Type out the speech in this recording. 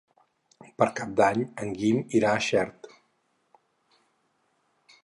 Per Cap d'Any en Guim irà a Xert.